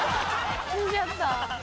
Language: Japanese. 死んじゃった。